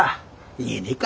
言えねえか。